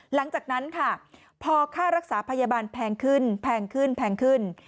หลังจากนั้นค่ะพอค่ารักษาพยาบาลแพงขึ้นแพงขึ้นแพงขึ้น